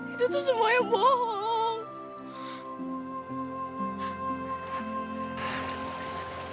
itu tuh semua yang bohong